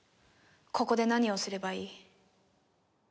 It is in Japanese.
ここで何をすればいい？